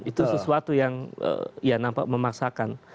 itu sesuatu yang ya nampak memaksakan